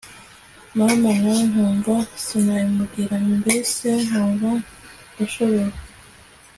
mama nawe nkumva sinabimubwira mbese nkumva ndashobewe